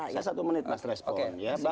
saya satu menit mas respon ya